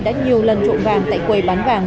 đã nhiều lần trộn vàng tại quầy bán vàng